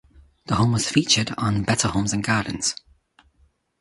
The home was featured on "Better Homes and Gardens".